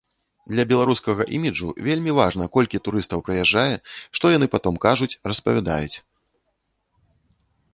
Для беларускага іміджу вельмі важна, колькі турыстаў прыязджае, што яны потым кажуць, распавядаюць.